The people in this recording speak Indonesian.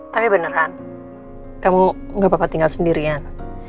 tapi beneran kamu gak apa apa tinggal sendirian